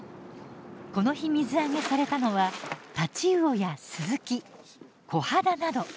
この日水揚げされたのはタチウオやスズキコハダなど。